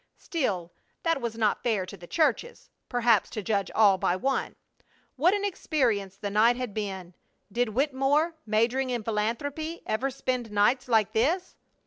Still, that was not fair to the churches, perhaps, to judge all by one. What an experience the night had been! Did Wittemore, majoring in philanthropy, ever spend nights like this?